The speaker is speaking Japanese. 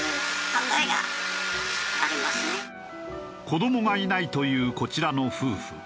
子どもがいないというこちらの夫婦。